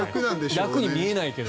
楽に見えないけど。